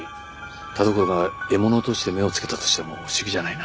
田所が獲物として目をつけたとしても不思議じゃないな。